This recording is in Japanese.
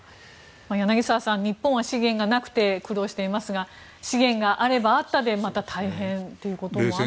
柳澤さん日本は資源がなくて苦労していますが資源があったらあったでまた、大変ということもあるんでしょうか。